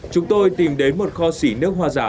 chúng tôi tìm đến một kho xỉ nước hoa giả